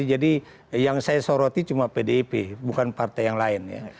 jadi yang saya soroti cuma pdp bukan partai yang lain ya